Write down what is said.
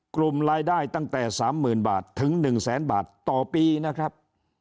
กลุ่มรายได้ตั้งแต่๓๐๐๐บาทถึง๑แสนบาทต่อปีนะครับ